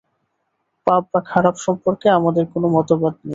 পাপ বা খারাপ সম্পর্কে আমাদের কোন মতবাদ নেই।